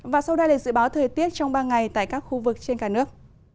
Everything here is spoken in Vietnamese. và sau đây là dự báo thời tiết trong ba ngày tại các khu vực trên cả nước